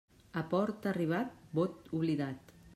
A port arribat, vot oblidat.